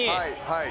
はい。